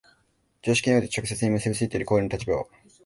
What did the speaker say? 常識において直接に結び付いている行為の立場は、